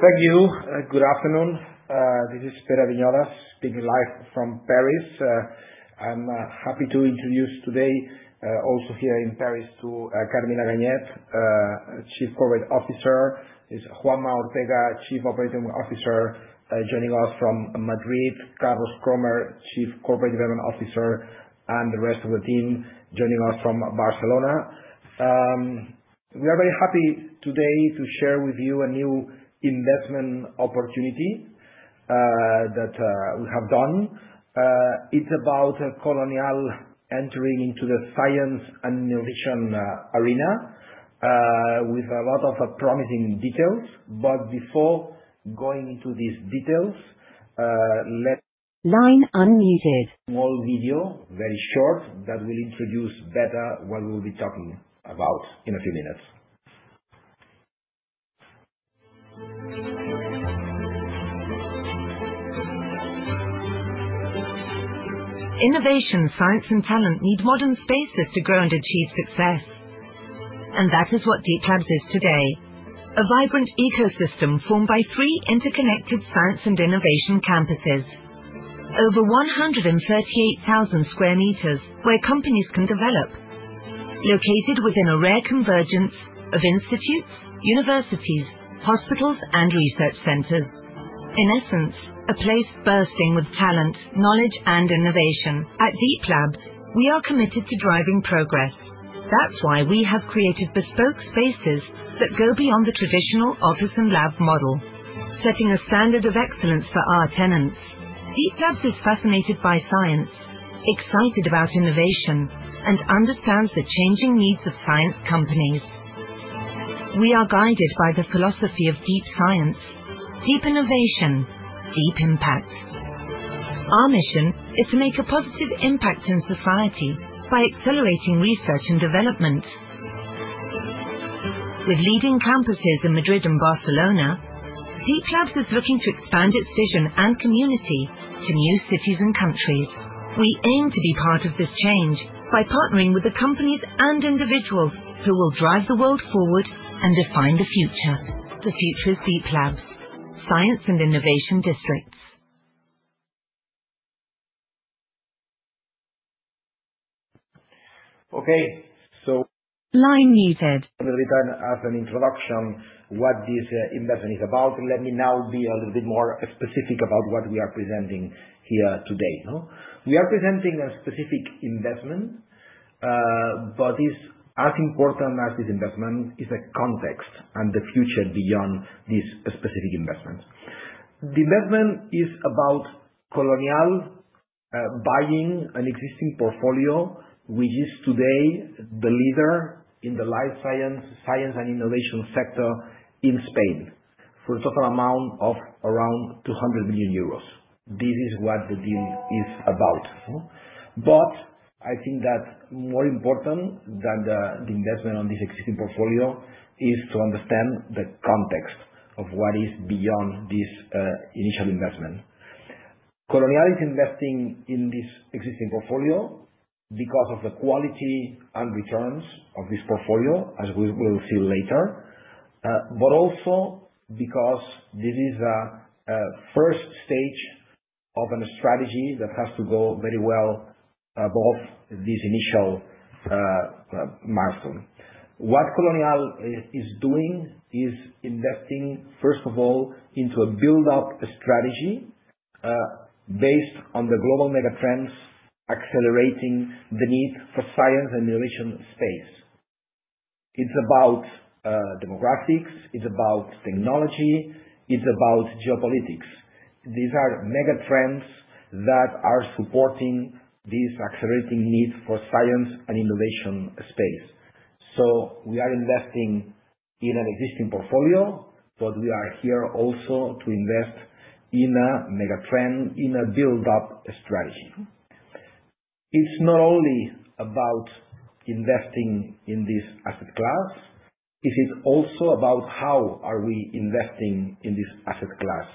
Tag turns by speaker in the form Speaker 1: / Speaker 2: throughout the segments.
Speaker 1: Thank you. Good afternoon. This is Pere Viñolas, speaking live from Paris. I'm happy to introduce today, also here in Paris, Carmina Ganyet, Chief Corporate Officer. It's Juanma Ortega, Chief Operating Officer, joining us from Madrid. Carlos Krohmer, Chief Corporate Development Officer, and the rest of the team joining us from Barcelona. We are very happy today to share with you a new investment opportunity that we have done. It's about Colonial entering into the science and innovation arena with a lot of promising details. Before going into these details, let's.
Speaker 2: Line unmuted.
Speaker 1: Small video, very short, that will introduce better what we'll be talking about in a few minutes.
Speaker 2: Innovation, science, and talent need modern spaces to grow and achieve success. That is what Deeplabs is today: a vibrant ecosystem formed by three interconnected science and innovation campuses, over 138,000 sq m where companies can develop, located within a rare convergence of institutes, universities, hospitals, and research centers. In essence, a place bursting with talent, knowledge, and innovation. At Deeplabs, we are committed to driving progress. That is why we have created bespoke spaces that go beyond the traditional office and lab model, setting a standard of excellence for our tenants. Deeplabs is fascinated by science, excited about innovation, and understands the changing needs of science companies. We are guided by the philosophy of deep science, deep innovation, deep impact. Our mission is to make a positive impact in society by accelerating research and development. With leading campuses in Madrid and Barcelona, Deeplabs is looking to expand its vision and community to new cities and countries. We aim to be part of this change by partnering with the companies and individuals who will drive the world forward and define the future. The future is Deeplabs, science and innovation districts.
Speaker 1: Okay. So.
Speaker 2: Line muted.
Speaker 1: We'll return as an introduction to what this investment is about. Let me now be a little bit more specific about what we are presenting here today. We are presenting a specific investment, but as important as this investment is the context and the future beyond this specific investment. The investment is about Colonial buying an existing portfolio, which is today the leader in the life science and innovation sector in Spain for a total amount of around 200 million euros. This is what the deal is about. I think that more important than the investment on this existing portfolio is to understand the context of what is beyond this initial investment. Colonial is investing in this existing portfolio because of the quality and returns of this portfolio, as we will see later, but also because this is a first stage of a strategy that has to go very well above this initial milestone. What Colonial is doing is investing, first of all, into a build-up strategy based on the global megatrends accelerating the need for science and innovation space. It's about demographics, it's about technology, it's about geopolitics. These are megatrends that are supporting this accelerating need for science and innovation space. We are investing in an existing portfolio, but we are here also to invest in a megatrend, in a build-up strategy. It's not only about investing in this asset class; it's also about how are we investing in this asset class.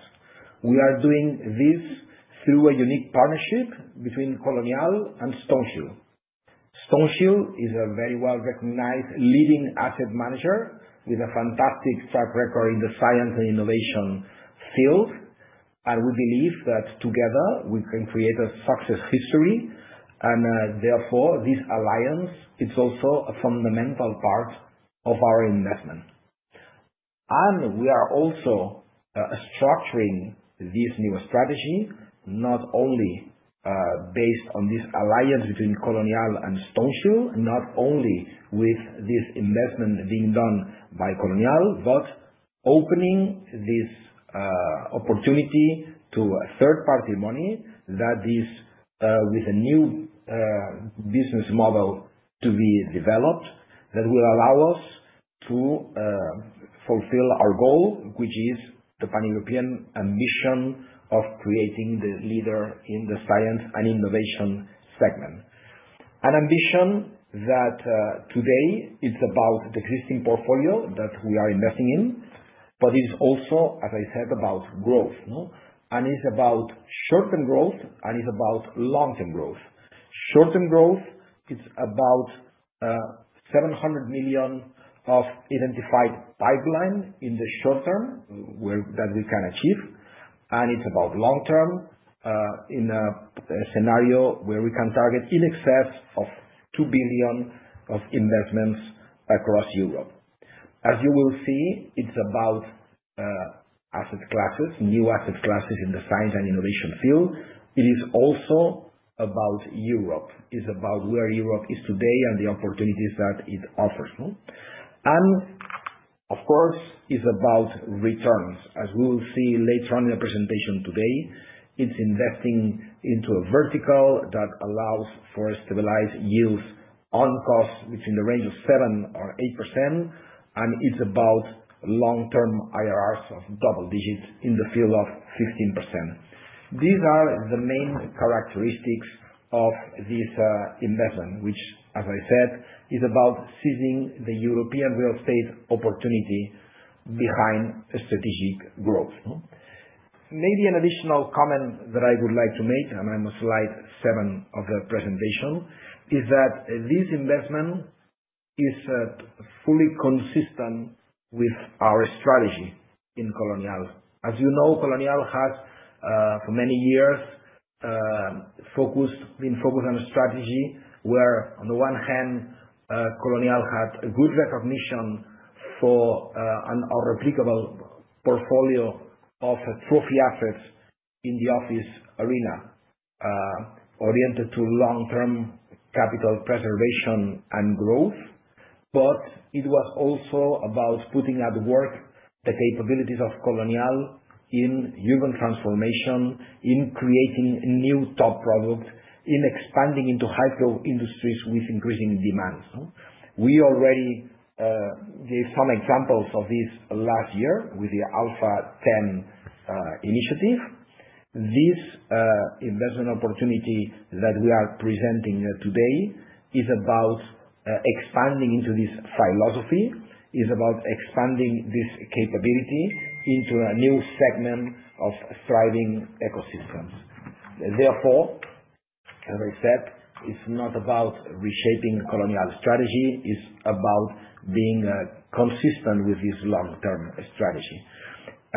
Speaker 1: We are doing this through a unique partnership between Colonial and Stoneshield. Capital is a very well-recognized leading asset manager with a fantastic track record in the science and innovation field. We believe that together we can create a success history. This alliance is also a fundamental part of our investment. We are also structuring this new strategy not only based on this alliance between Colonial and Stoneshield Capital, not only with this investment being done by Colonial, but opening this opportunity to third-party money that is with a new business model to be developed that will allow us to fulfill our goal, which is the pan-European ambition of creating the leader in the science and innovation segment. An ambition that today is about the existing portfolio that we are investing in, but it is also, as I said, about growth. It is about short-term growth, and it is about long-term growth. Short-term growth, it's about 700 million of identified pipeline in the short term that we can achieve. It's about long-term in a scenario where we can target in excess of 2 billion of investments across Europe. As you will see, it's about asset classes, new asset classes in the science and innovation field. It is also about Europe. It's about where Europe is today and the opportunities that it offers. Of course, it's about returns. As we will see later on in the presentation today, it's investing into a vertical that allows for stabilized yields on cost between the range of 7%-8%. It's about long-term IRRs of double digits in the field of 15%. These are the main characteristics of this investment, which, as I said, is about seizing the European real estate opportunity behind strategic growth. Maybe an additional comment that I would like to make, and I must slide seven of the presentation, is that this investment is fully consistent with our strategy in Colonial. As you know, Colonial has for many years been focused on a strategy where, on the one hand, Colonial had good recognition for an unreplicable portfolio of trophy assets in the office arena oriented to long-term capital preservation and growth. It was also about putting at work the capabilities of Colonial in human transformation, in creating new top products, in expanding into high-flow industries with increasing demand. We already gave some examples of this last year with the Alpha X initiative. This investment opportunity that we are presenting today is about expanding into this philosophy, is about expanding this capability into a new segment of thriving ecosystems. Therefore, as I said, it's not about reshaping Colonial strategy, it's about being consistent with this long-term strategy.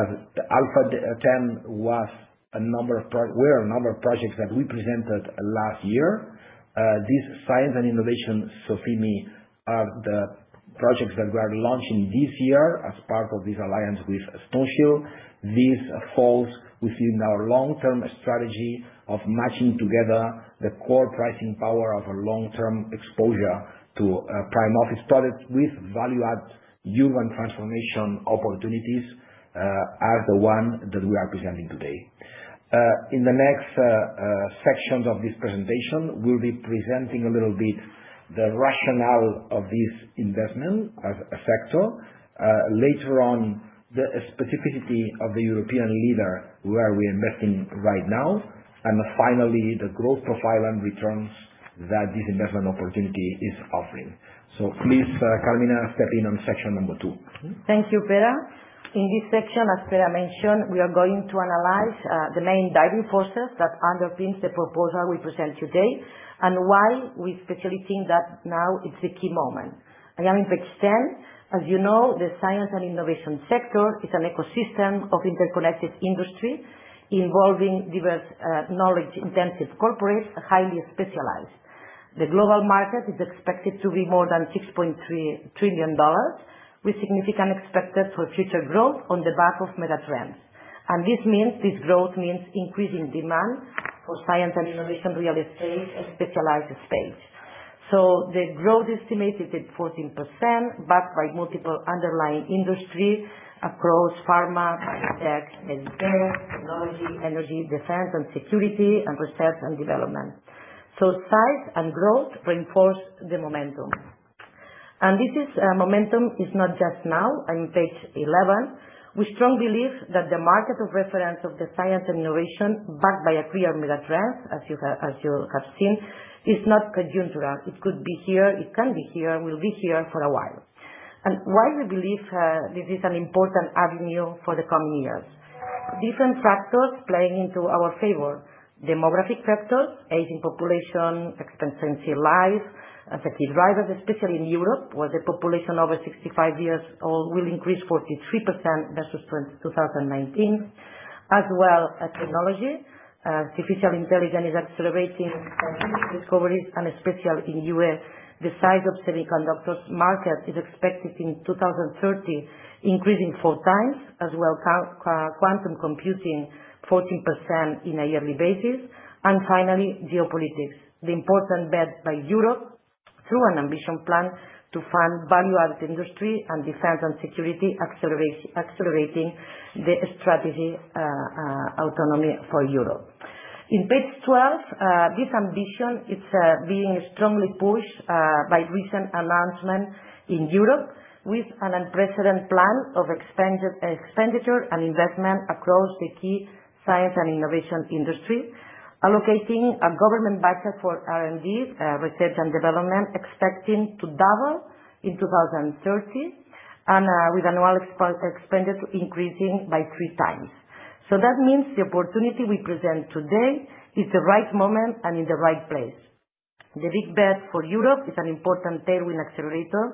Speaker 1: Alpha X was a number of, we are a number of projects that we presented last year. This science and innovation SOCIMI are the projects that we are launching this year as part of this alliance with Stoneshield. This falls within our long-term strategy of matching together the core pricing power of a long-term exposure to prime office products with value-added human transformation opportunities as the one that we are presenting today. In the next sections of this presentation, we'll be presenting a little bit the rationale of this investment as a sector, later on the specificity of the European leader where we are investing right now, and finally the growth profile and returns that this investment opportunity is offering. Please, Carmina, step in on section number two.
Speaker 3: Thank you, Pere. In this section, as Pere mentioned, we are going to analyze the main driving forces that underpin the proposal we present today and why we specifically think that now it's a key moment. I am in page 10. As you know, the science and innovation sector is an ecosystem of interconnected industry involving diverse knowledge-intensive corporates highly specialized. The global market is expected to be more than $6.3 trillion, with significant expected for future growth on the back of megatrends. This means this growth means increasing demand for science and innovation real estate and specialized space. The growth estimated at 14% backed by multiple underlying industries across pharma, biotech, medical, technology, energy, defense, and security, and research and development. Size and growth reinforce the momentum. This momentum is not just now. I'm on page 11. We strongly believe that the market of reference of the science and innovation backed by a clear megatrend, as you have seen, is not conjunctural. It could be here, it can be here, will be here for a while. Why we believe this is an important avenue for the coming years? Different factors playing into our favor: demographic factors, aging population, expectancy of life, and safety drivers, especially in Europe, where the population over 65 years old will increase 43% versus 2019, as well as technology. Artificial intelligence is accelerating scientific discoveries, and especially in the U.S., the size of semiconductors market is expected in 2030, increasing four times, as well as quantum computing, 14% on a yearly basis. Finally, geopolitics, the important bet by Europe through an ambition plan to fund value-added industry and defense and security, accelerating the strategy autonomy for Europe. In page 12, this ambition is being strongly pushed by recent announcements in Europe with an unprecedented plan of expenditure and investment across the key science and innovation industry, allocating a government budget for R&D, research and development, expecting to double in 2030, and with annual expenditure increasing by three times. That means the opportunity we present today is the right moment and in the right place. The big bet for Europe is an important tailwind accelerator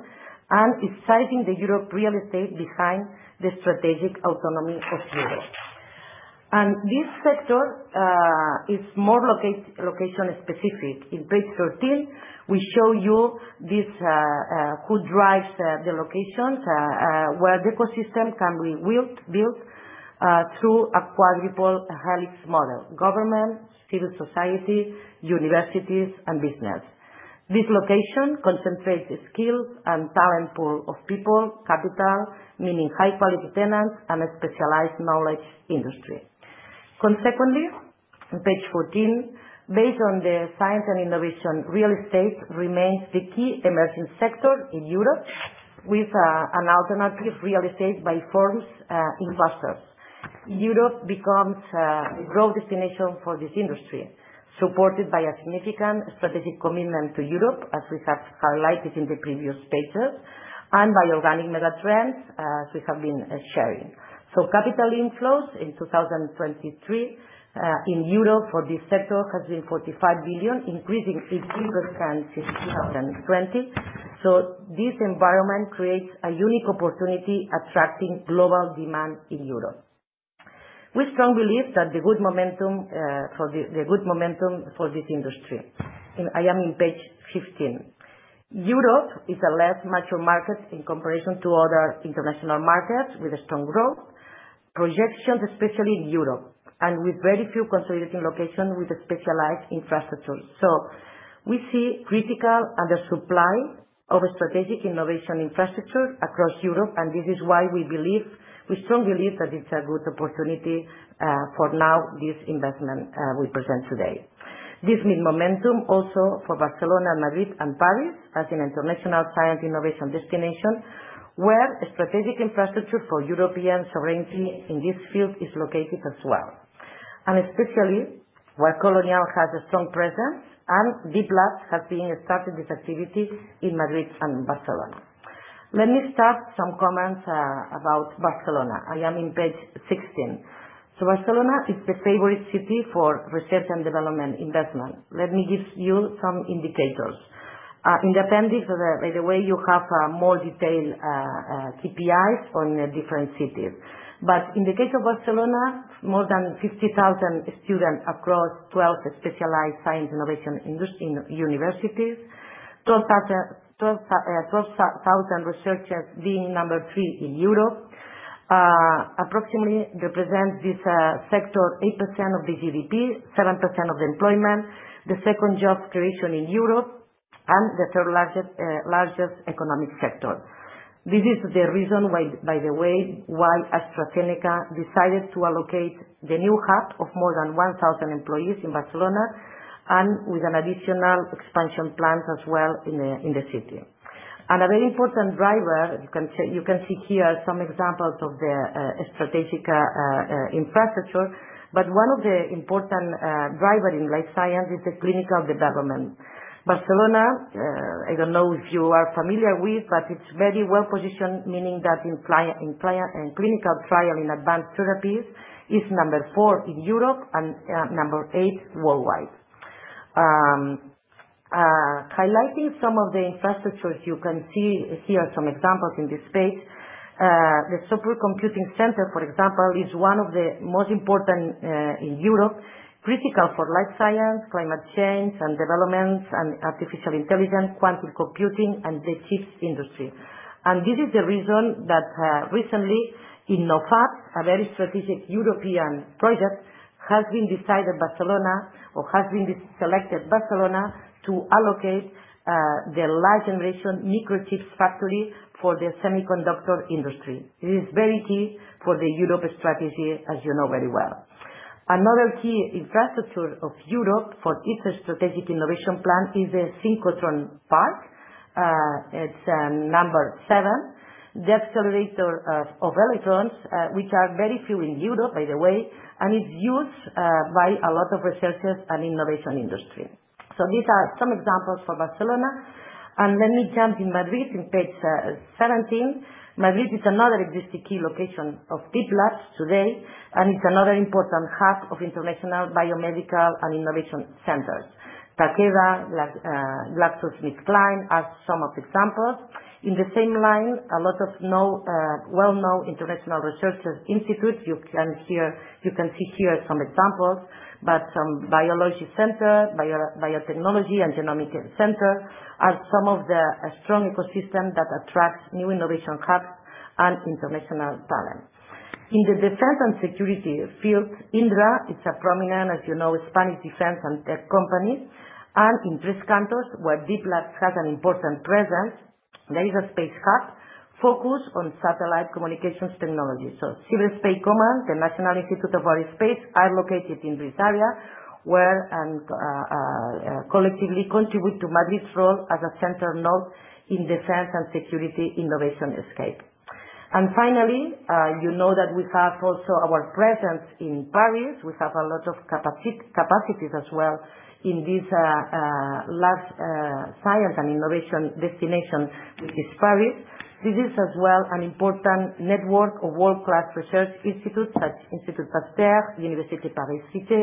Speaker 3: and is seizing the Europe real estate behind the strategic autonomy of Europe. This sector is more location-specific. In page 13, we show you who drives the locations where the ecosystem can be built through a quadruple helix model: government, civil society, universities, and business. This location concentrates the skills and talent pool of people, capital, meaning high-quality tenants and a specialized knowledge industry. Consequently, on page 14, based on the science and innovation, real estate remains the key emerging sector in Europe with an alternative real estate by firms and investors. Europe becomes a growth destination for this industry, supported by a significant strategic commitment to Europe, as we have highlighted in the previous pages, and by organic megatrends as we have been sharing. Capital inflows in 2023 in Europe for this sector have been 45 billion, increasing 18% since 2020. This environment creates a unique opportunity attracting global demand in Europe. We strongly believe that the good momentum for this industry. I am on page 15. Europe is a less mature market in comparison to other international markets with strong growth projections, especially in Europe, and with very few consolidating locations with specialized infrastructure. We see critical undersupply of strategic innovation infrastructure across Europe, and this is why we believe, we strongly believe that it's a good opportunity for now this investment we present today. This means momentum also for Barcelona and Madrid and Paris as an international science innovation destination where strategic infrastructure for European sovereignty in this field is located as well. Especially where Colonial has a strong presence and Deeplabs has been starting this activity in Madrid and Barcelona. Let me start some comments about Barcelona. I am on page 16. Barcelona is the favorite city for research and development investment. Let me give you some indicators. In the appendix, by the way, you have more detailed KPIs on different cities. In the case of Barcelona, more than 50,000 students across 12 specialized science innovation universities, 12,000 researchers being number three in Europe, approximately represents this sector 8% of the GDP, 7% of the employment, the second job creation in Europe, and the third largest economic sector. This is the reason, by the way, why AstraZeneca decided to allocate the new hub of more than 1,000 employees in Barcelona and with an additional expansion plan as well in the city. A very important driver, you can see here some examples of the strategic infrastructure, but one of the important drivers in life science is the clinical development. Barcelona, I don't know if you are familiar with, but it's very well positioned, meaning that in clinical trial in advanced therapies is number four in Europe and number eight worldwide. Highlighting some of the infrastructures, you can see here some examples in this page. The supercomputing center, for example, is one of the most important in Europe, critical for life science, climate change and developments, and artificial intelligence, quantum computing, and the chips industry. This is the reason that recently in [NOVAP], a very strategic European project, it has been decided Barcelona or has been selected Barcelona to allocate the large generation microchips factory for the semiconductor industry. It is very key for the Europe strategy, as you know very well. Another key infrastructure of Europe for its strategic innovation plan is the Synchrotron Park. It's number seven, the accelerator of electrons, which are very few in Europe, by the way, and it's used by a lot of researchers and innovation industry. These are some examples for Barcelona. Let me jump in Madrid on page 17. Madrid is another existing key location of Deeplabs today, and it's another important hub of international biomedical and innovation centers. Takeda, GlaxoSmithKline are some of the examples. In the same line, a lot of well-known international research institutes, you can see here some examples, but some biology center, biotechnology, and genomic center are some of the strong ecosystems that attract new innovation hubs and international talent. In the defense and security field, Indra is a prominent, as you know, Spanish defense and tech company, and in Tres Cantos where Deeplabs has an important presence, there is a space hub focused on satellite communications technology. Cyberspace Command, the National Institute of Aerospace, are located in this area and collectively contribute to Madrid's role as a center node in defense and security innovation escape. Finally, you know that we have also our presence in Paris. We have a lot of capacities as well in this large science and innovation destination, which is Paris. This is as well an important network of world-class research institutes such as Institut Pasteur, Université Paris Cité,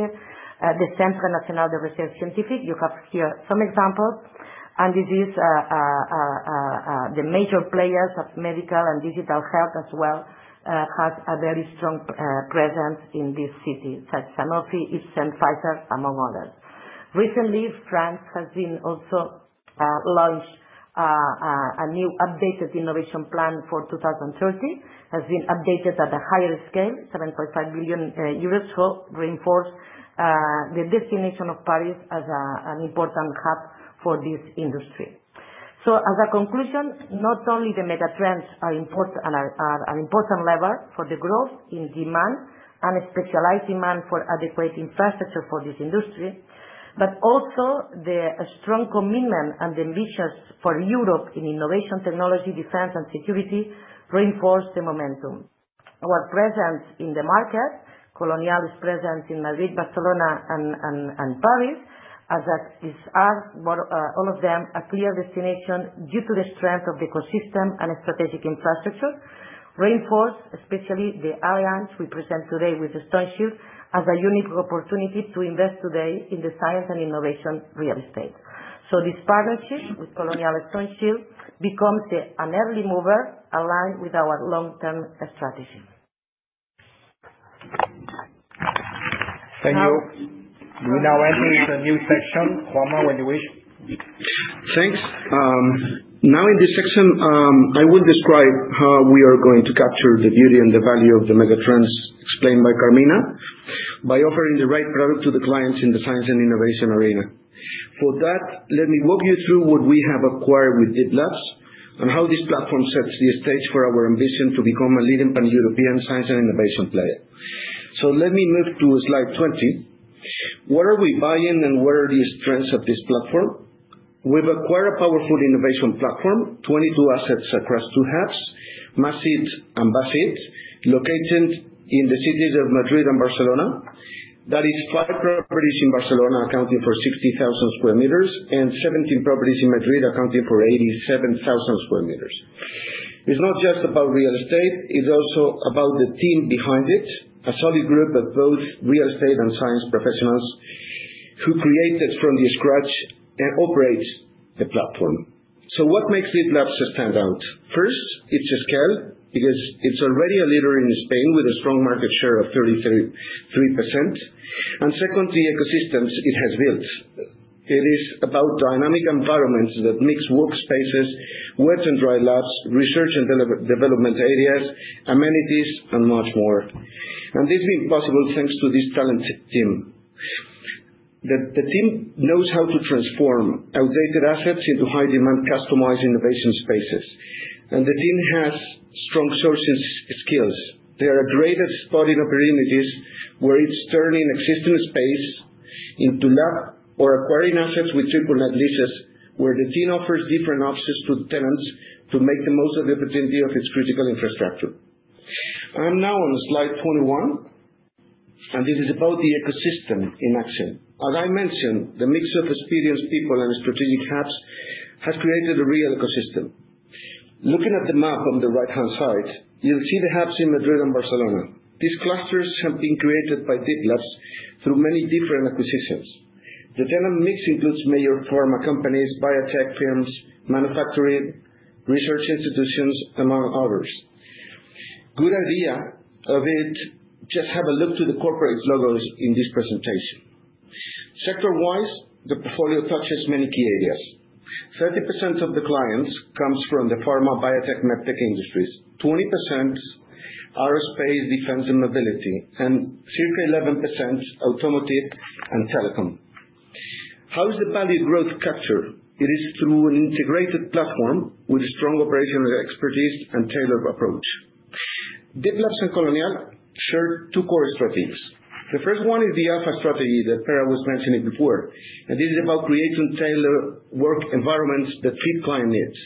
Speaker 3: the Centre National de Recherche Scientifique. You have here some examples, and this is the major players of medical and digital health as well have a very strong presence in this city, such as Sanofi, Pfizer, among others. Recently, France has also launched a new updated innovation plan for 2030, has been updated at a higher scale, 7.5 billion euros, so reinforced the destination of Paris as an important hub for this industry. As a conclusion, not only the megatrends are an important lever for the growth in demand and specialized demand for adequate infrastructure for this industry, but also the strong commitment and the ambitions for Europe in innovation technology, defense, and security reinforce the momentum. Our presence in the market, Colonial is present in Madrid, Barcelona, and Paris, as all of them are a clear destination due to the strength of the ecosystem and strategic infrastructure, reinforce especially the alliance we present today with Stoneshield as a unique opportunity to invest today in the science and innovation real estate. This partnership with Colonial and Stoneshield becomes an early mover aligned with our long-term strategy. Thank you. We now enter into a new section. Juanma, when you wish.
Speaker 4: Thanks. Now, in this section, I will describe how we are going to capture the beauty and the value of the megatrends explained by Carmina by offering the right product to the clients in the science and innovation arena. For that, let me walk you through what we have acquired with Deeplabs and how this platform sets the stage for our ambition to become a leading pan-European science and innovation player. Let me move to slide 20. What are we buying and what are the strengths of this platform? We've acquired a powerful innovation platform, 22 assets across two hubs, Madrid and Barcelona, located in the cities of Madrid and Barcelona. That is five properties in Barcelona accounting for 60,000 sq m and 17 properties in Madrid accounting for 87,000 sq m. It's not just about real estate. is also about the team behind it, a solid group of both real estate and science professionals who created from scratch and operate the platform. What makes Deeplabs stand out? First, its scale because it is already a leader in Spain with a strong market share of 33%. Second, the ecosystems it has built. It is about dynamic environments that mix workspaces, wet and dry labs, research and development areas, amenities, and much more. This has been possible thanks to this talented team. The team knows how to transform outdated assets into high-demand, customized innovation spaces. The team has strong sourcing skills. They are great experts in opportunities where it is turning existing space into lab or acquiring assets with triple net leases where the team offers different options to tenants to make the most of the opportunity of its critical infrastructure. I'm now on slide 21, and this is about the ecosystem in action. As I mentioned, the mix of experienced people and strategic hubs has created a real ecosystem. Looking at the map on the right-hand side, you'll see the hubs in Madrid and Barcelona. These clusters have been created by Deeplabs through many different acquisitions. The tenant mix includes major pharma companies, biotech firms, manufacturing, research institutions, among others. Good idea of it, just have a look to the corporate logos in this presentation. Sector-wise, the portfolio touches many key areas. 30% of the clients come from the pharma, biotech, medtech industries. 20% aerospace, defense, and mobility, and circa 11% automotive and telecom. How is the value growth captured? It is through an integrated platform with strong operational expertise and tailored approach. Deeplabs and Colonial share two core strategies. The first one is the Alpha strategy that Pere was mentioning before, and this is about creating tailored work environments that fit client needs.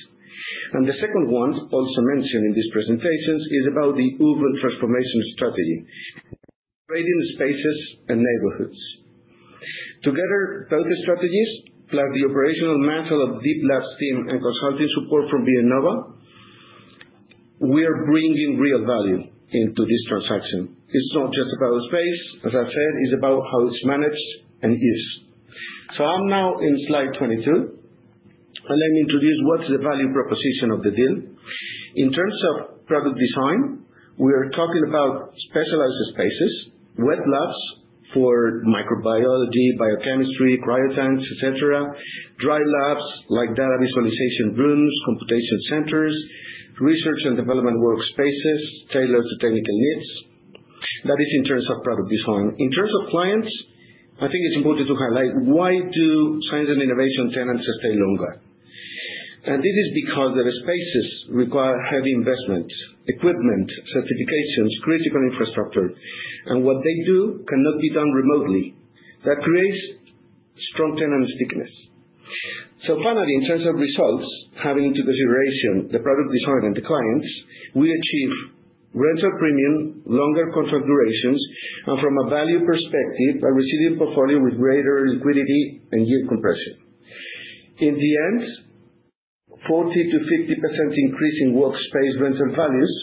Speaker 4: The second one, also mentioned in these presentations, is about the urban transformation strategy, creating spaces and neighborhoods. Together, both the strategies, plus the operational mantle of Deeplabs' team and consulting support from BienNova, we are bringing real value into this transaction. It's not just about space, as I said, it's about how it's managed and used. I am now in slide 22, and let me introduce what's the value proposition of the deal. In terms of product design, we are talking about specialized spaces, wet labs for microbiology, biochemistry, cryotanks, et cetera, dry labs like data visualization rooms, computation centers, research and development workspaces tailored to technical needs. That is in terms of product design. In terms of clients, I think it's important to highlight why do science and innovation tenants stay longer. This is because their spaces require heavy investments, equipment, certifications, critical infrastructure, and what they do cannot be done remotely. That creates strong tenant stickiness. Finally, in terms of results, having into consideration the product design and the clients, we achieve rental premium, longer contract durations, and from a value perspective, a resilient portfolio with greater liquidity and yield compression. In the end, 40%-50% increase in workspace rental values,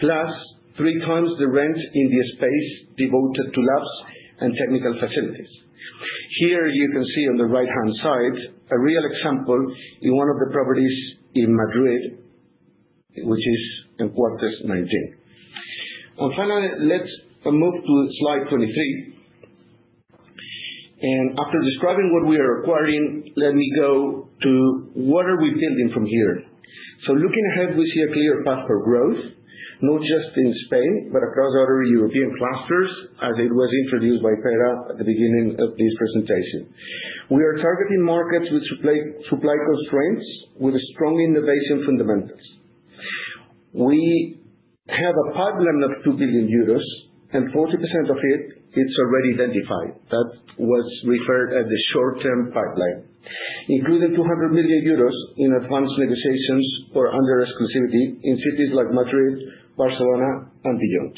Speaker 4: plus three times the rent in the space devoted to labs and technical facilities. Here you can see on the right-hand side a real example in one of the properties in Madrid, which is in Cuarteles 19. Finally, let's move to slide 23. After describing what we are acquiring, let me go to what we are building from here. Looking ahead, we see a clear path for growth, not just in Spain, but across other European clusters, as it was introduced by Pere at the beginning of this presentation. We are targeting markets with supply constraints with strong innovation fundamentals. We have a pipeline of 2 billion euros, and 40% of it is already identified. That was referred to as the short-term pipeline, including 200 million euros in advanced negotiations or under exclusivity in cities like Madrid, Barcelona, and beyond.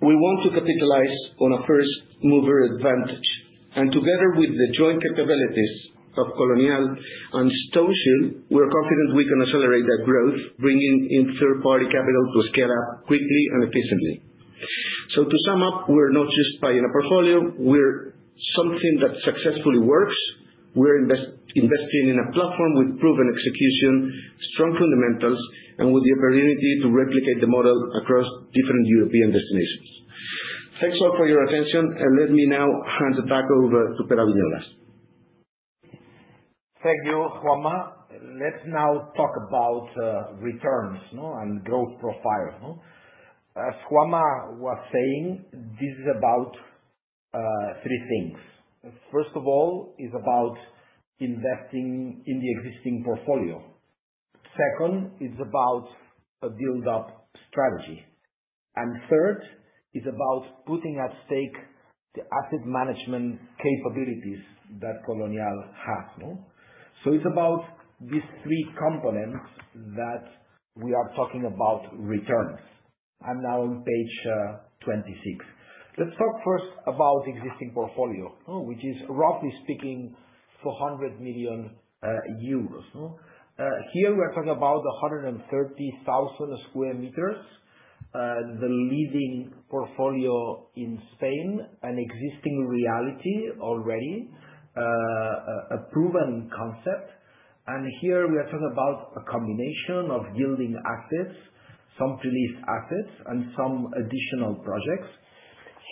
Speaker 4: We want to capitalize on a first-mover advantage. Together with the joint capabilities of Colonial and Stoneshield, we are confident we can accelerate that growth, bringing in third-party capital to scale up quickly and efficiently. To sum up, we are not just buying a portfolio. We are something that successfully works. We're investing in a platform with proven execution, strong fundamentals, and with the opportunity to replicate the model across different European destinations. Thanks all for your attention, and let me now hand it back over to Pere Viñolas.
Speaker 1: Thank you, Juanma. Let's now talk about returns and growth profile. As Juanma was saying, this is about three things. First of all, it's about investing in the existing portfolio. Second, it's about a build-up strategy. Third, it's about putting at stake the asset management capabilities that Colonial has. It's about these three components that we are talking about returns. I'm now on page 26. Let's talk first about the existing portfolio, which is, roughly speaking, 400 million euros. Here, we are talking about 130,000 sq m, the leading portfolio in Spain, an existing reality already, a proven concept. Here, we are talking about a combination of yielding assets, some released assets, and some additional projects.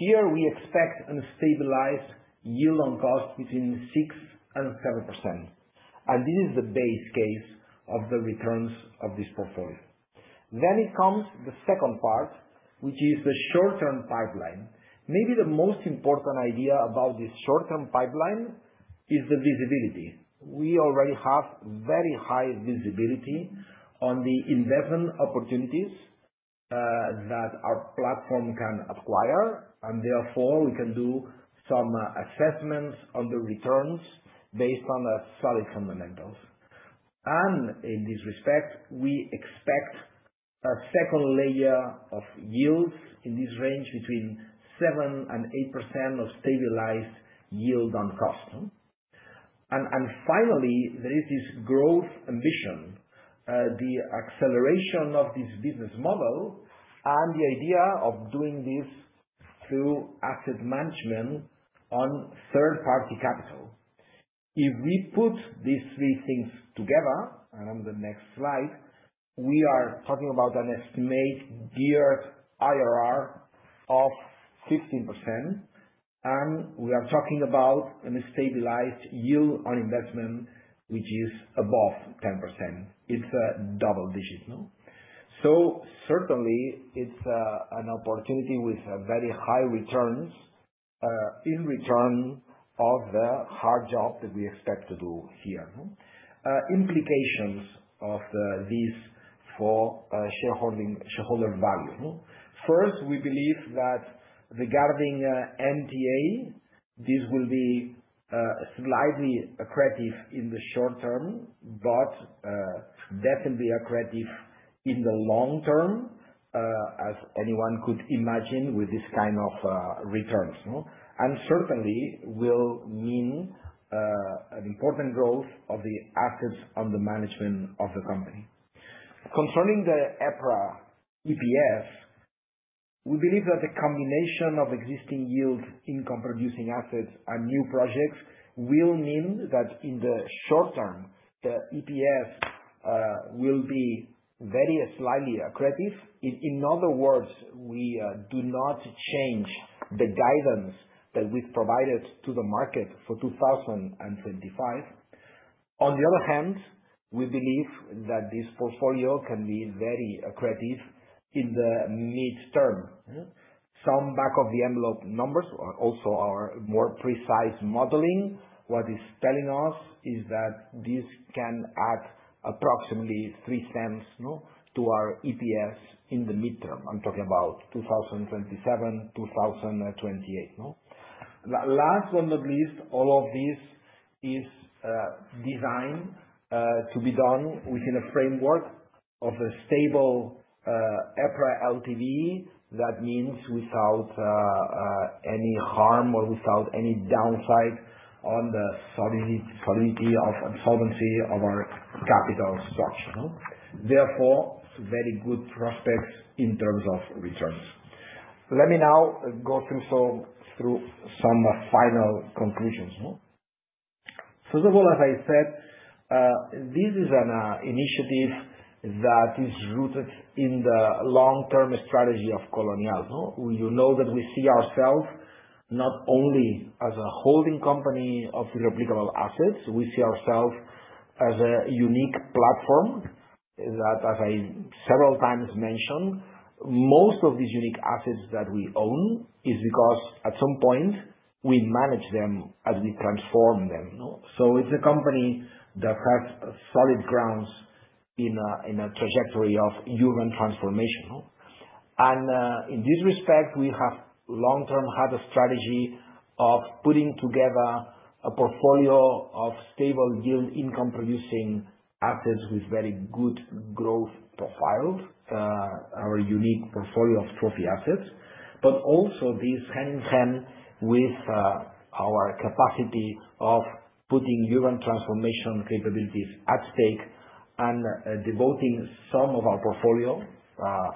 Speaker 1: Here, we expect a stabilized yield on cost between 6%-7%. This is the base case of the returns of this portfolio. It comes to the second part, which is the short-term pipeline. Maybe the most important idea about this short-term pipeline is the visibility. We already have very high visibility on the investment opportunities that our platform can acquire, and therefore, we can do some assessments on the returns based on solid fundamentals. In this respect, we expect a second layer of yields in this range between 7%-8% of stabilized yield on cost. Finally, there is this growth ambition, the acceleration of this business model, and the idea of doing this through asset management on third-party capital. If we put these three things together, on the next slide, we are talking about an estimated geared IRR of 15%, and we are talking about a stabilized yield on investment, which is above 10%. It's a double digit. Certainly, it's an opportunity with very high returns in return of the hard job that we expect to do here. Implications of these for shareholder value. First, we believe that regarding NTA, this will be slightly accretive in the short term, but definitely accretive in the long term, as anyone could imagine with this kind of returns. Certainly, will mean an important growth of the assets under management of the company. Concerning the EPRA EPS, we believe that the combination of existing yields, income-producing assets, and new projects will mean that in the short term, the EPS will be very slightly accretive. In other words, we do not change the guidance that we've provided to the market for 2025. On the other hand, we believe that this portfolio can be very accretive in the midterm. Some back-of-the-envelope numbers also are more precise modeling. What it's telling us is that this can add approximately 0.3 cents to our EPS in the midterm. I'm talking about 2027, 2028. Last but not least, all of this is designed to be done within a framework of a stable EPRA LTV. That means without any harm or without any downside on the solidity or absorbency of our capital structure. Therefore, very good prospects in terms of returns. Let me now go through some final conclusions. First of all, as I said, this is an initiative that is rooted in the long-term strategy of Colonial. You know that we see ourselves not only as a holding company of irreplicable assets. We see ourselves as a unique platform that, as I several times mentioned, most of these unique assets that we own is because at some point, we manage them as we transform them. It is a company that has solid grounds in a trajectory of human transformation. In this respect, we have long-term had a strategy of putting together a portfolio of stable yield, income-producing assets with very good growth profiles, our unique portfolio of trophy assets, but also this hand-in-hand with our capacity of putting human transformation capabilities at stake and devoting some of our portfolio,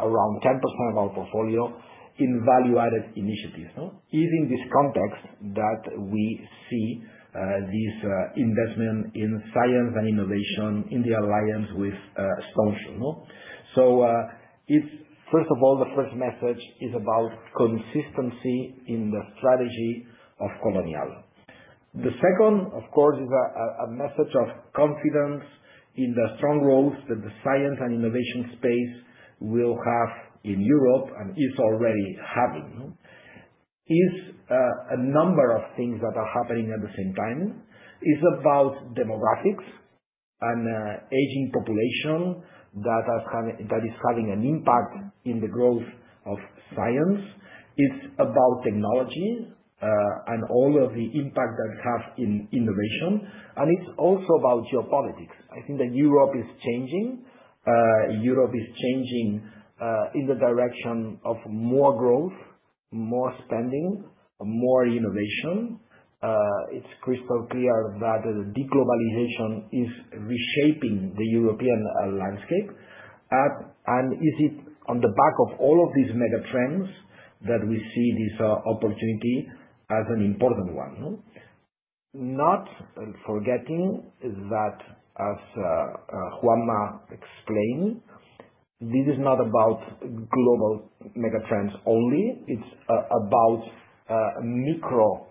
Speaker 1: around 10% of our portfolio, in value-added initiatives. It is in this context that we see this investment in science and innovation in the alliance with Stoneshield. The first message is about consistency in the strategy of Colonial. The second, of course, is a message of confidence in the strong roles that the science and innovation space will have in Europe and is already having. It is a number of things that are happening at the same time. It's about demographics and aging population that is having an impact in the growth of science. It's about technology and all of the impact that has in innovation. It's also about geopolitics. I think that Europe is changing. Europe is changing in the direction of more growth, more spending, more innovation. It's crystal clear that the deglobalization is reshaping the European landscape. Is it on the back of all of these megatrends that we see this opportunity as an important one? Not forgetting that, as Juanma explained, this is not about global megatrends only. It's about micro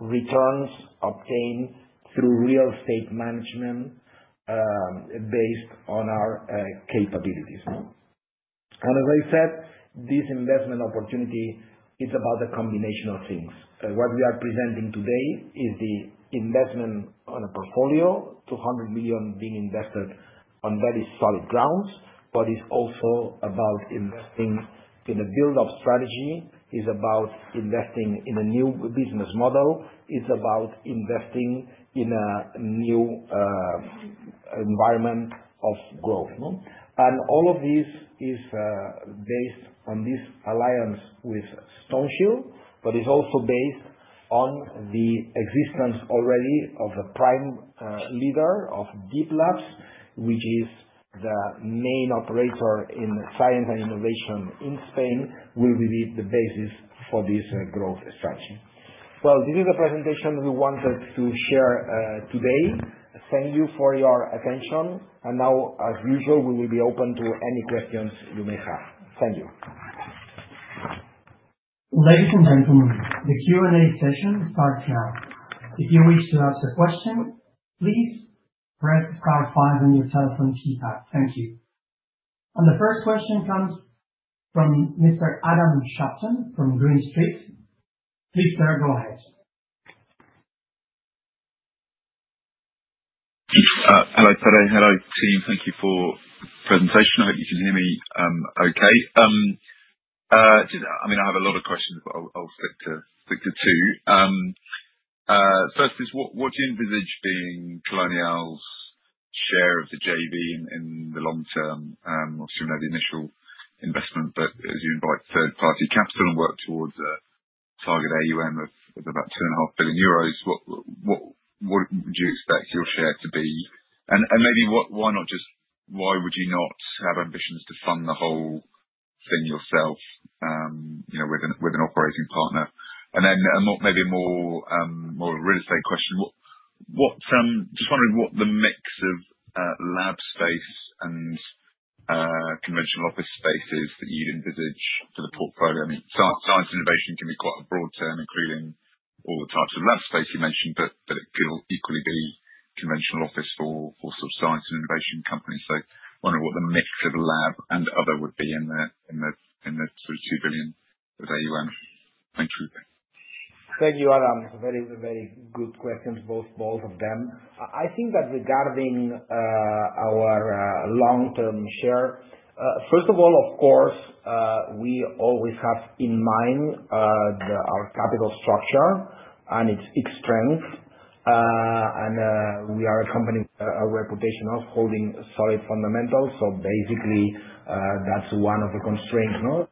Speaker 1: returns obtained through real estate management based on our capabilities. As I said, this investment opportunity, it's about a combination of things. What we are presenting today is the investment on a portfolio, 200 million being invested on very solid grounds, but it's also about investing in the build-up strategy. It's about investing in a new business model. It's about investing in a new environment of growth. All of this is based on this alliance with Stoneshield Capital, but it's also based on the existence already of a prime leader of Deeplabs, which is the main operator in science and innovation in Spain, will be the basis for this growth strategy. This is the presentation we wanted to share today. Thank you for your attention. As usual, we will be open to any questions you may have. Thank you.
Speaker 2: Ladies and gentlemen, the Q&A session starts now. If you wish to ask a question, please press star five on your telephone keypad. Thank you. The first question comes from Mr. Adam Shapton from Green Street. Please, sir, go ahead.
Speaker 5: Hello, Pere. Hello, team. Thank you for the presentation. I hope you can hear me okay. I mean, I have a lot of questions, but I'll stick to two. First is, what do you envisage being Colonial's share of the JV in the long term? Obviously, we know the initial investment, but as you invite third-party capital and work towards a target AUM of about 2.5 billion euros, what would you expect your share to be? And maybe why not just, why would you not have ambitions to fund the whole thing yourself with an operating partner? I mean, maybe a more real estate question. Just wondering what the mix of lab space and conventional office space is that you'd envisage for the portfolio. I mean, science and innovation can be quite a broad term, including all the types of lab space you mentioned, but it could equally be conventional office for sort of science and innovation companies. I wonder what the mix of lab and other would be in the sort of 2 billion of AUM. Thank you.
Speaker 1: Thank you, Adam. Very, very good questions, both of them. I think that regarding our long-term share, first of all, of course, we always have in mind our capital structure and its strength. We are a company with a reputation of holding solid fundamentals. Basically, that is one of the constraints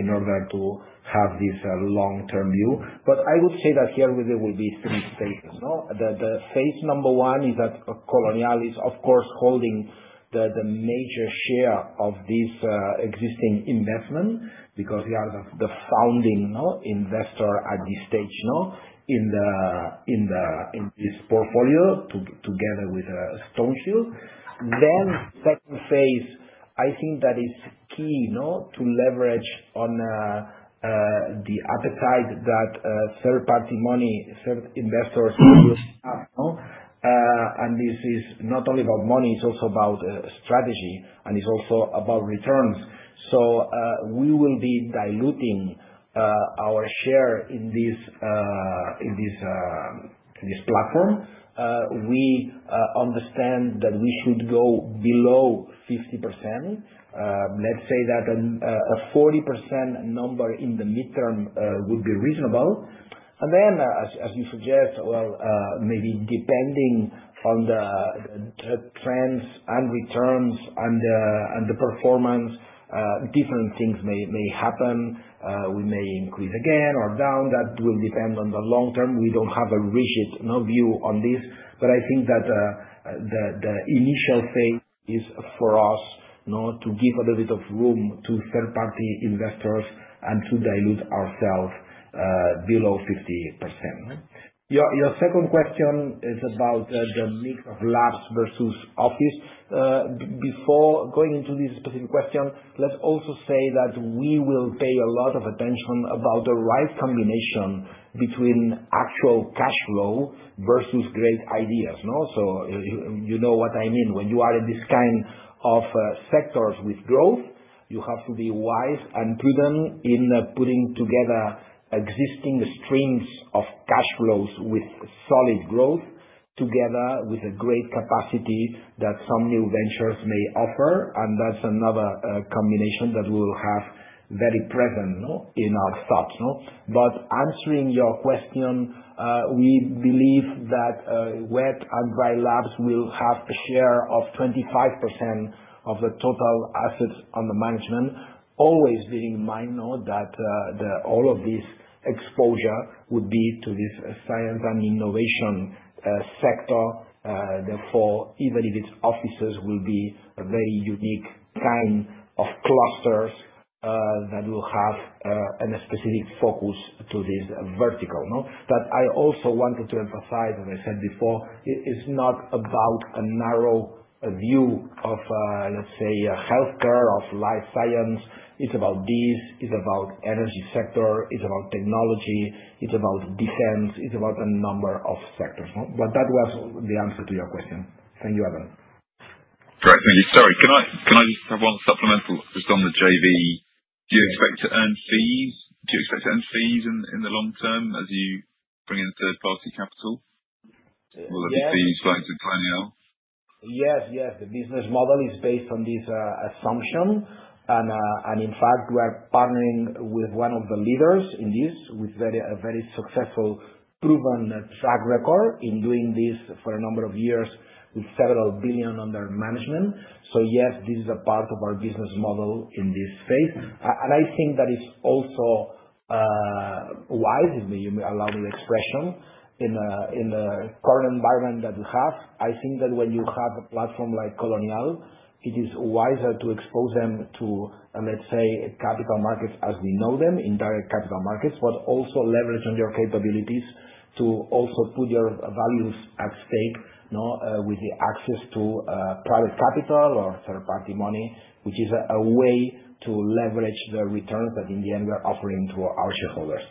Speaker 1: in order to have this long-term view. I would say that here there will be three stages. The phase number one is that Colonial is, of course, holding the major share of this existing investment because we are the founding investor at this stage in this portfolio together with Stoneshield. The second phase, I think that it is key to leverage on the appetite that third-party money, third investors will have. This is not only about money, it is also about strategy, and it is also about returns. We will be diluting our share in this platform. We understand that we should go below 50%. Let's say that a 40% number in the midterm would be reasonable. As you suggest, maybe depending on the trends and returns and the performance, different things may happen. We may increase again or down. That will depend on the long term. We do not have a rigid view on this, but I think that the initial phase is for us to give a little bit of room to third-party investors and to dilute ourselves below 50%. Your second question is about the mix of labs versus office. Before going into this specific question, let's also say that we will pay a lot of attention about the right combination between actual cash flow versus great ideas. You know what I mean. When you are in this kind of sectors with growth, you have to be wise and prudent in putting together existing streams of cash flows with solid growth together with a great capacity that some new ventures may offer. That is another combination that we will have very present in our thoughts. Answering your question, we believe that wet and dry labs will have a share of 25% of the total assets under management, always being in mind that all of this exposure would be to this science and innovation sector. Therefore, even if it is offices, it will be a very unique kind of clusters that will have a specific focus to this vertical. I also wanted to emphasize, as I said before, it is not about a narrow view of, let's say, healthcare, of life science. It is about these. It is about the energy sector. It is about technology. It's about defense. It's about a number of sectors. That was the answer to your question. Thank you, Adam.
Speaker 5: Great. Thank you. Sorry, can I just have one supplemental just on the JV? Do you expect to earn fees? Do you expect to earn fees in the long term as you bring in third-party capital? Will there be fees going to Colonial?
Speaker 1: Yes, yes. The business model is based on this assumption. In fact, we are partnering with one of the leaders in this with a very successful, proven track record in doing this for a number of years with several billion under management. Yes, this is a part of our business model in this phase. I think that it is also wise, if you allow me the expression, in the current environment that we have. I think that when you have a platform like Colonial, it is wiser to expose them to, let's say, capital markets as we know them, indirect capital markets, but also leverage on your capabilities to also put your values at stake with the access to private capital or third-party money, which is a way to leverage the returns that, in the end, we are offering to our shareholders.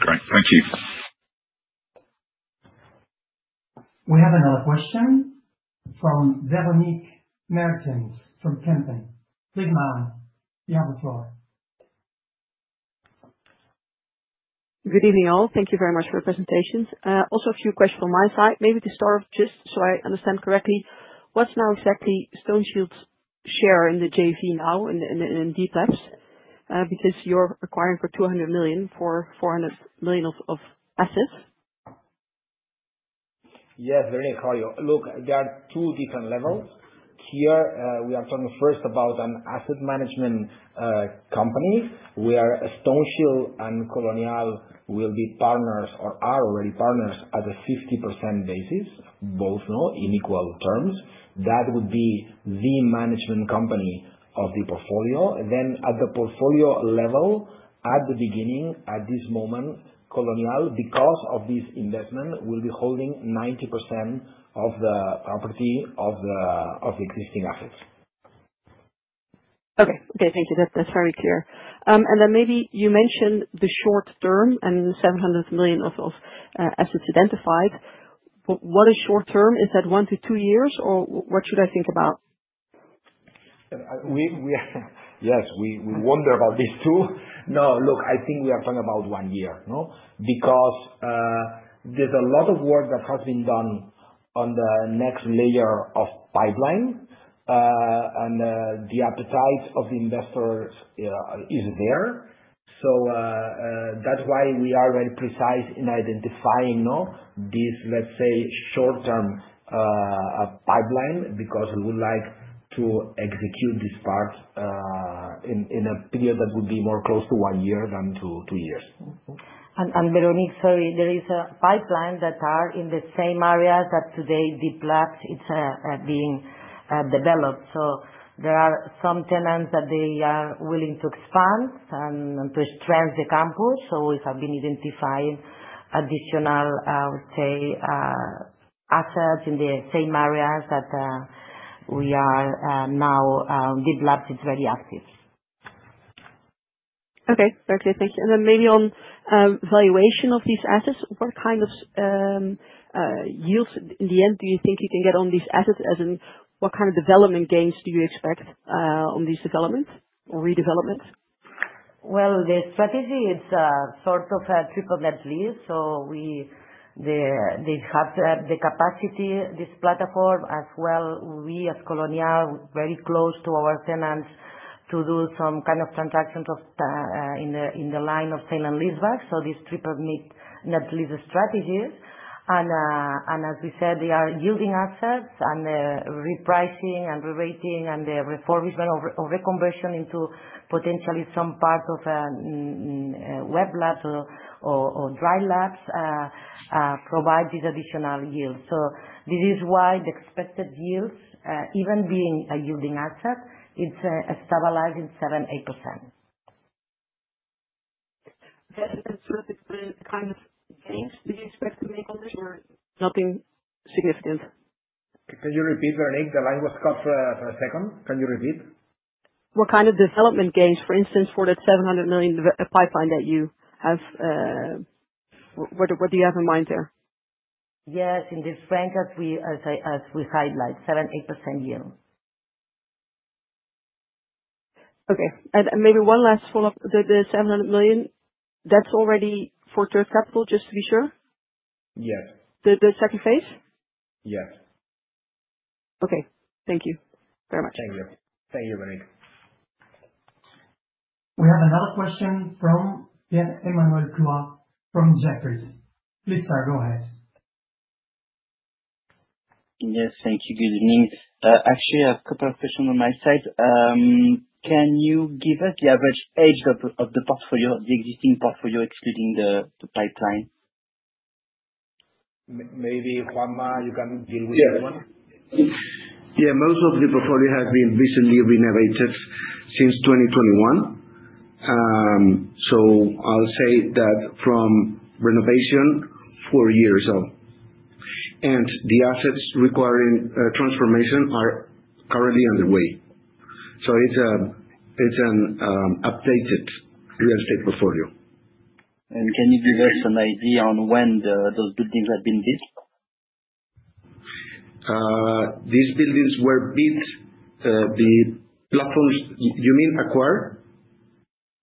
Speaker 5: Great. Thank you.
Speaker 2: We have another question from Veronique Meertens from Kempen. Please, ma'am, you have the floor.
Speaker 6: Good evening, all. Thank you very much for your presentations. Also, a few questions from my side. Maybe to start off, just so I understand correctly, what's now exactly Stoneshield's share in the JV now in Deeplabs? Because you're acquiring for 200 million, for 400 million of assets.
Speaker 1: Yes, Veronique, how are you? Look, there are two different levels. Here, we are talking first about an asset management company where Stoneshield and Colonial will be partners or are already partners at a 50% basis, both in equal terms. That would be the management company of the portfolio. Then at the portfolio level, at the beginning, at this moment, Colonial, because of this investment, will be holding 90% of the property of the existing assets.
Speaker 6: Okay. Okay. Thank you. That's very clear. Maybe you mentioned the short term and 700 million of assets identified. What is short term? Is that one to two years, or what should I think about?
Speaker 1: Yes, we wonder about these two. No, look, I think we are talking about one year because there is a lot of work that has been done on the next layer of pipeline, and the appetite of the investors is there. That is why we are very precise in identifying this, let's say, short-term pipeline because we would like to execute this part in a period that would be more close to one year than two years.
Speaker 3: Veronique, sorry, there is a pipeline that is in the same area that today Deeplabs is being developed. There are some tenants that they are willing to expand and to strengthen the campus. We have been identifying additional, I would say, assets in the same areas that we are now Deeplabs is very active.
Speaker 6: Okay. Okay. Thank you. Maybe on valuation of these assets, what kind of yields in the end do you think you can get on these assets? What kind of development gains do you expect on these developments or redevelopments?
Speaker 3: The strategy, it's sort of a triple net lease. They have the capacity, this platform, as well we, as Colonial, very close to our tenants to do some kind of transactions in the line of sale and leaseback. This triple net lease strategy is. As we said, they are yielding assets and repricing and re-rating and the refurbishment or reconversion into potentially some part of a wet labs or dry labs provides these additional yields. This is why the expected yields, even being a yielding asset, it's stabilized in 7%-8%.
Speaker 6: Sort of the kind of gains, do you expect to make on this or nothing significant?
Speaker 1: Can you repeat, Veronique? The line was cut for a second. Can you repeat?
Speaker 6: What kind of development gains, for instance, for that 700 million pipeline that you have? What do you have in mind there?
Speaker 3: Yes, in this frame as we highlight, 7-8% yield.
Speaker 6: Okay. Maybe one last follow-up. The 700 million, that's already for third capital, just to be sure?
Speaker 1: Yes.
Speaker 6: The second phase.
Speaker 1: Yes.
Speaker 6: Okay. Thank you very much.
Speaker 1: Thank you. Thank you, Veronique.
Speaker 2: We have another question from Emmanuel Clow from Jefferies. Please, sir, go ahead.
Speaker 7: Yes. Thank you. Good evening. Actually, I have a couple of questions on my side. Can you give us the average age of the portfolio, the existing portfolio, excluding the pipeline?
Speaker 1: Maybe Juanma, you can deal with that one.
Speaker 4: Yeah. Yeah. Most of the portfolio has been recently renovated since 2021. I'll say that from renovation, four years old. The assets requiring transformation are currently underway. It's an updated real estate portfolio.
Speaker 7: Can you give us an idea on when those buildings have been built?
Speaker 4: These buildings were built. The platforms, you mean acquired?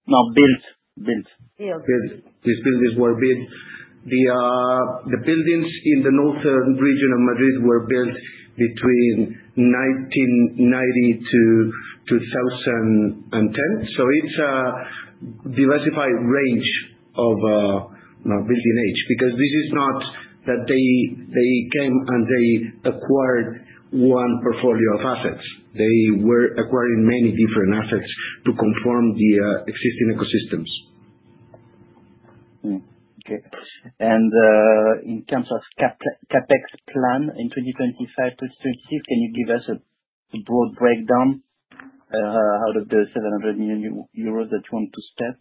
Speaker 7: No, built. Built.
Speaker 3: Built.
Speaker 1: Built.
Speaker 4: These buildings were built. The buildings in the northern region of Madrid were built between 1990-2010. It is a diversified range of building age because this is not that they came and they acquired one portfolio of assets. They were acquiring many different assets to conform the existing ecosystems.
Speaker 7: Okay. In terms of CapEx plan in 2025, 2026, can you give us a broad breakdown out of the 700 million euros that you want to spend?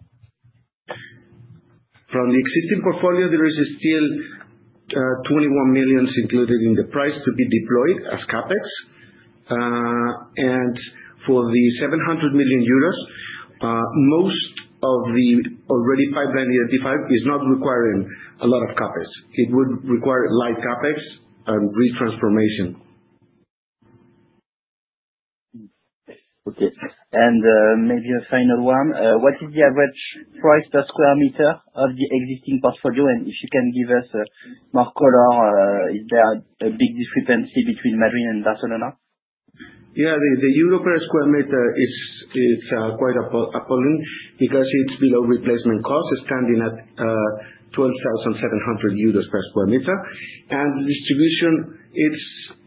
Speaker 4: From the existing portfolio, there is still 21 million included in the price to be deployed as CapEx. For the 700 million euros, most of the already pipeline identified is not requiring a lot of CapEx. It would require light CapEx and retransformation.
Speaker 7: Okay. Maybe a final one. What is the average price per square meter of the existing portfolio? If you can give us more color, is there a big discrepancy between Madrid and Barcelona?
Speaker 4: Yeah. The euro per square meter is quite appalling because it is below replacement cost, standing at 12,700 euros per square meter. The distribution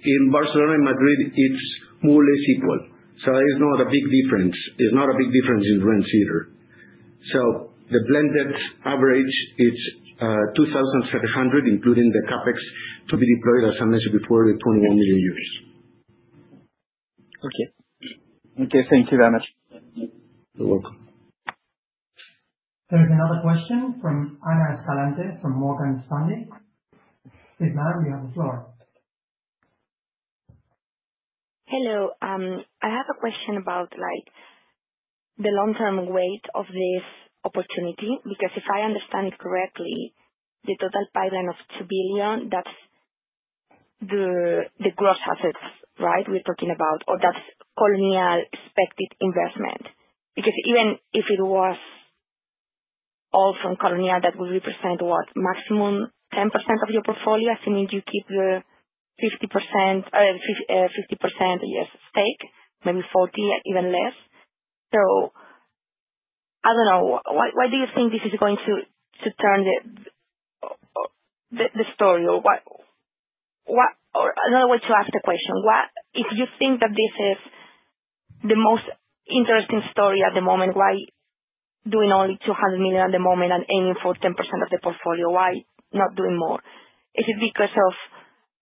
Speaker 4: in Barcelona and Madrid is more or less equal. There is not a big difference. There is not a big difference in rents either. The blended average is EUR 2,700]including the CapEx to be deployed, as I mentioned before, the 21 million euros.
Speaker 7: Okay. Okay. Thank you very much.
Speaker 4: You're welcome.
Speaker 2: There's another question from Ana Escalante from Morgan Stanley. Please, ma'am, you have the floor.
Speaker 8: Hello. I have a question about the long-term weight of this opportunity because if I understand it correctly, the total pipeline of 2 billion, that's the gross assets, right, we're talking about, or that's Colonial expected investment? Because even if it was all from Colonial, that would represent what, maximum 10% of your portfolio? Assuming you keep the 50%-50%, yes, stake, maybe 40%, even less. I don't know. Why do you think this is going to turn the story? Or another way to ask the question, if you think that this is the most interesting story at the moment, why doing only 200 million at the moment and aiming for 10% of the portfolio? Why not doing more? Is it because of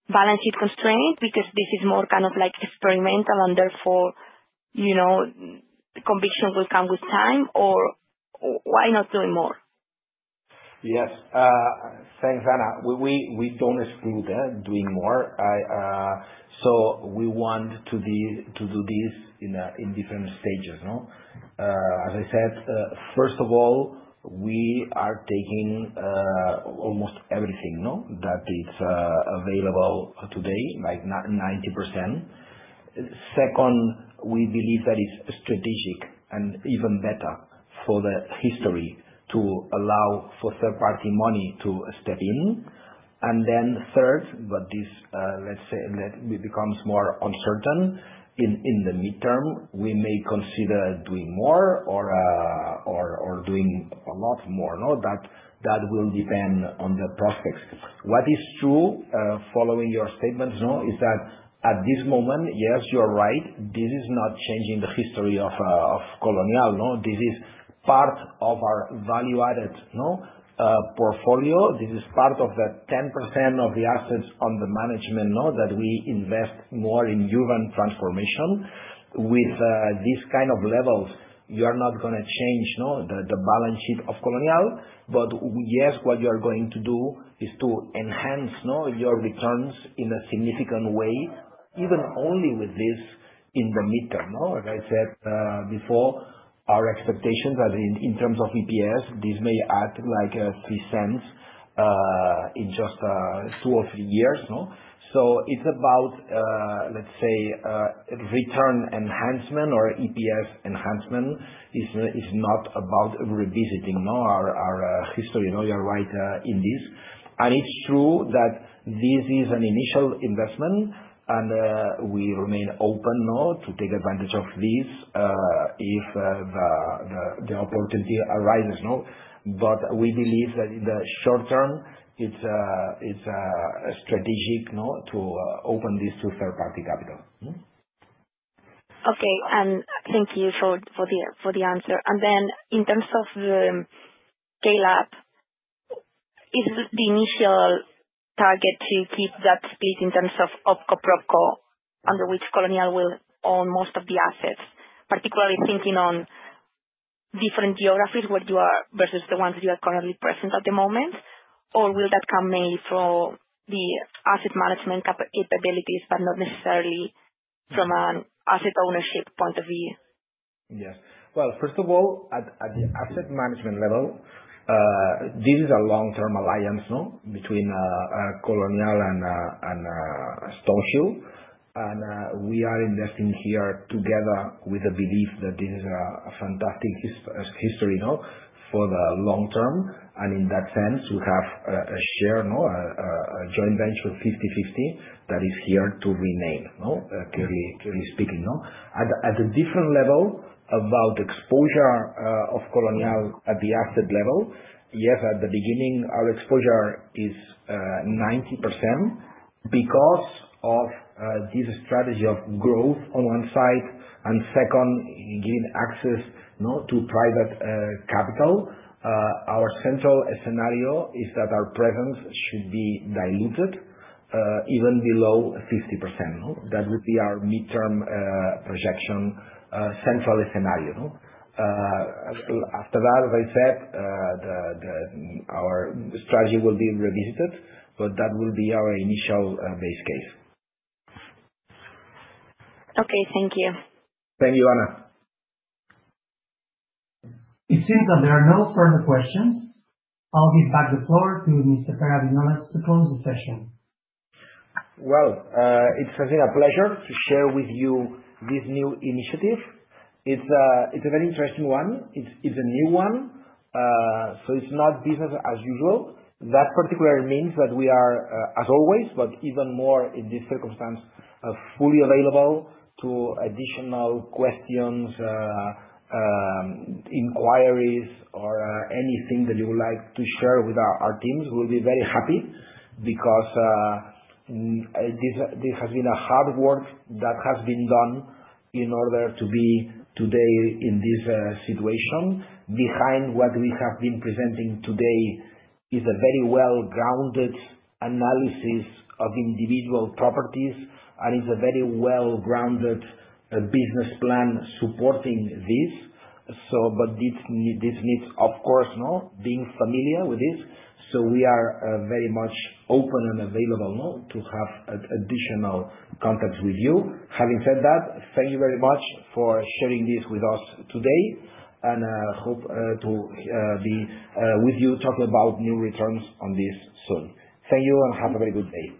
Speaker 8: balance sheet constraint? Because this is more kind of experimental and therefore conviction will come with time? Or why not doing more?
Speaker 1: Yes. Thanks, Anna. We do not exclude doing more. We want to do this in different stages. As I said, first of all, we are taking almost everything that is available today, like 90%. Second, we believe that it is strategic and even better for the history to allow for third-party money to step in. Third, but this, let's say, becomes more uncertain in the midterm, we may consider doing more or doing a lot more. That will depend on the prospects. What is true, following your statements, is that at this moment, yes, you are right, this is not changing the history of Colonial. This is part of our value-added portfolio. This is part of the 10% of the assets under management that we invest more in urban transformation. With these kind of levels, you are not going to change the balance sheet of Colonial. Yes, what you are going to do is to enhance your returns in a significant way, even only with this in the midterm. As I said before, our expectations are in terms of EPS, this may add like 0.03 in just two or three years. It is about, let's say, return enhancement or EPS enhancement. It is not about revisiting our history. You are right in this. It is true that this is an initial investment, and we remain open to take advantage of this if the opportunity arises. We believe that in the short term, it is strategic to open this to third-party capital.
Speaker 8: Okay. Thank you for the answer. In terms of the scale-up, is the initial target to keep that split in terms of Opco-Propco, under which Colonial will own most of the assets, particularly thinking on different geographies where you are versus the ones that you are currently present at the moment? Will that come mainly from the asset management capabilities, but not necessarily from an asset ownership point of view?
Speaker 1: Yes. First of all, at the asset management level, this is a long-term alliance between Colonial and Stoneshield Capital. We are investing here together with the belief that this is a fantastic history for the long term. In that sense, we have a share, a joint venture 50/50 that is here to remain, clearly speaking. At a different level about exposure of Colonial at the asset level, yes, at the beginning, our exposure is 90% because of this strategy of growth on one side. Second, giving access to private capital. Our central scenario is that our presence should be diluted even below 50%. That would be our midterm projection, central scenario. After that, as I said, our strategy will be revisited, but that will be our initial base case.
Speaker 8: Okay. Thank you.
Speaker 1: Thank you, Ana.
Speaker 2: It seems that there are no further questions. I'll give back the floor to Mr. Pere Viñolas to close the session.
Speaker 1: It is a pleasure to share with you this new initiative. It is a very interesting one. It is a new one. It is not business as usual. That particularly means that we are, as always, but even more in this circumstance, fully available to additional questions, inquiries, or anything that you would like to share with our teams. We will be very happy because this has been hard work that has been done in order to be today in this situation. Behind what we have been presenting today is a very well-grounded analysis of individual properties, and it is a very well-grounded business plan supporting this. This needs, of course, being familiar with this. We are very much open and available to have additional contacts with you. Having said that, thank you very much for sharing this with us today. I hope to be with you talking about new returns on this soon. Thank you and have a very good day.